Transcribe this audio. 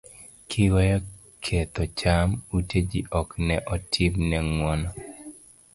kiweyo ketho cham, ute ji ok ne otim ne ng'uono